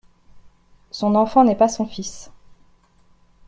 Son enfant n'est pas son fils.